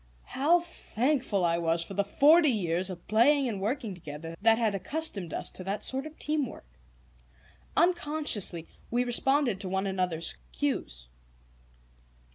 How thankful I was for the forty years of playing and working together that had accustomed us to that sort of team work! Unconsciously we responded to one another's cues.